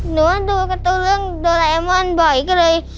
หนูว่าดูกับตัวเลือกโดราเอมอนบ่อยก็เลย